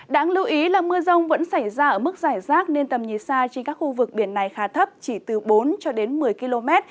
đáng lưu ý là mưa rông vẫn xảy ra ở mức giải rác nên tầm nhìn xa trên các khu vực biển này khá thấp chỉ từ bốn cho đến một mươi km